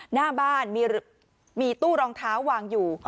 หน้าบ้านมีตู้รองเท้าวางอยู่